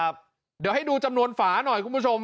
เดี๋ยวให้ดูจำนวนฝาหน่อยคุณผู้ชม